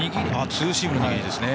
ツーシームですね。